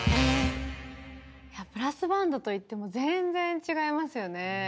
ブラスバンドといっても全然違いますよね。